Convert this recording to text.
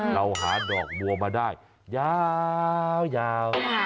เราหาดอกบัวมาได้ยาว